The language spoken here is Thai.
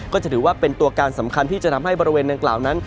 ก็จะถือว่าเป็นตัวการสำคัญที่จะทำให้บริเวณดังกล่าวนั้น